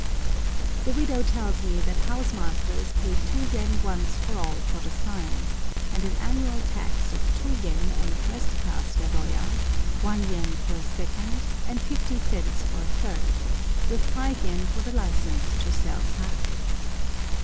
The widow tells me that house masters pay 2 yen once for all for the sign, and an annual tax of 2 yen on a first class yadoya, 1 yen for a second, and 50 cents for a third, with 5 yen for the license to sell saké.